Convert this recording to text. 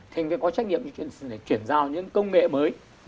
thì anh có trách nhiệm để chuyển giao những công nghệ mới